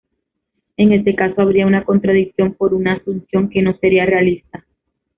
En este caso habría una contradicción por una asunción que no sería realista.